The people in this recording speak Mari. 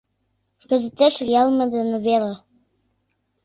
Кызытеш йылме дене веле...